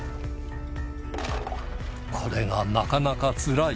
これがなかなかつらい。